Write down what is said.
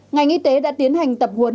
ngành y tế đã tiến hành tập huấn